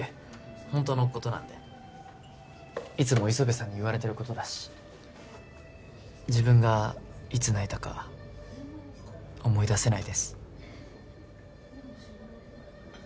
本当のことなんでいつも磯部さんに言われてることだし自分がいつ泣いたか思い出せないです